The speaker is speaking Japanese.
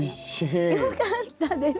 よかったです。